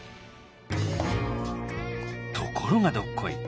ところがどっこい。